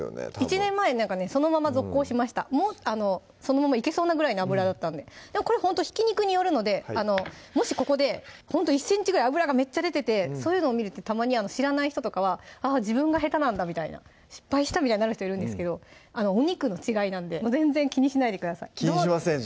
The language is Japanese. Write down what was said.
１年前なんかねそのまま続行しましたそのままいけそうなぐらいの脂だったんでこれほんとひき肉によるのでもしここでほんと１ｃｍぐらい脂がめっちゃ出ててそういうのを見るとたまに知らない人とかは「あっ自分が下手なんだ」みたいな失敗したみたいになる人いるんですけどお肉の違いなんで全然気にしないでください気にしません